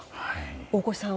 大越さん